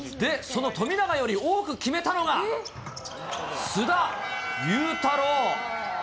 その富永より多く決めたのが、須田侑太郎。